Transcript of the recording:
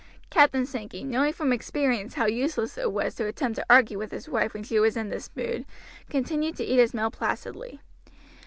Captain Sankey, knowing from experience how useless it was to attempt to argue with his wife when she was in this mood, continued to eat his meal placidly.